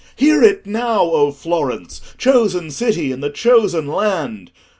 Hear it now, O Florence, chosen city in the chosen land!